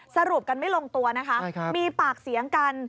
สรุปกันไม่ลงตัวนะคะมีปากเสียงกัน